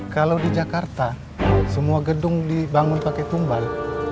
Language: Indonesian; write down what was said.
kalau di jakarta semua gedung dibangun pakai tumbal